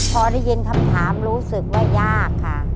พอได้ยินคำถามรู้สึกว่ายากค่ะ